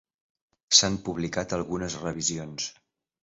S'han publicat algunes revisions.